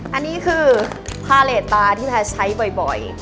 อันนี้คือพาเลสตาที่แพลใช้บ่อย